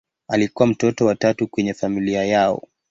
Alikuwa mtoto wa tatu kwenye familia yao.